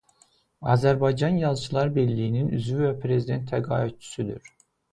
Azərbaycan Yazıçılar Birliyinin üzvü və Prezident təqaüdçüsüdür.